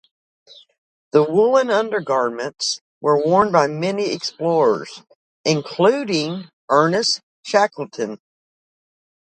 The woollen undergarments were worn by many explorers - including Ernest Shackleton.